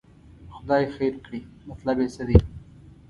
خدای خیر کړي، مطلب یې څه دی.